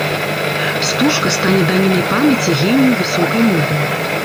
Стужка стане данінай памяці генію высокай моды.